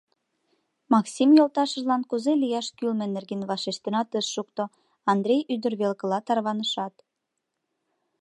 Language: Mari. Максим йолташыжлан кузе лияш кӱлмӧ нерген вашештенат ыш шукто, Андрей ӱдыр велкыла тарванышат.